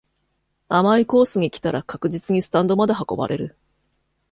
甘いコースに来たら確実にスタンドまで運ばれる